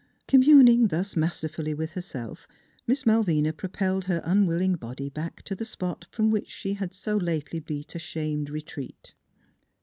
Communing thus masterfully with herself, Miss Malvina propelled her unwilling body back to the spot from which she had so lately beat a shamed retreat.